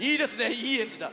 いいエンジンだ。